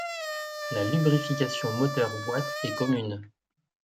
La lubrification moteur-boîte est commune.